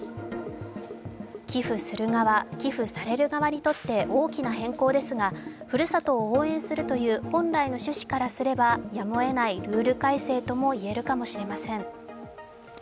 寄付する側、寄付される側にとって大きな変更ですがふるさとを応援するという本来の趣旨からすればやむをえないルール改正といえるかもしれません。